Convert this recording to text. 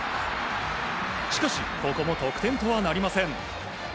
しかしここも得点とはなりません。